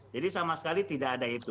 jadi sama sekali tidak ada itu